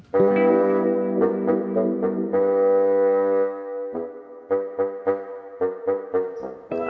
enggak ke warungnya entin ceng